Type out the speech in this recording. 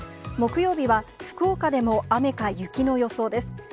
木曜日は、福岡でも雨か雪の予想です。